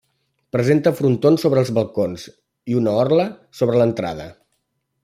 Presenta frontons sobre els balcons i una orla sobre l'entrada.